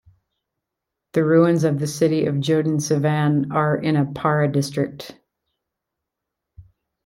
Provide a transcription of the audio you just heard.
The ruins of the city of Jodensavanne are in Para district.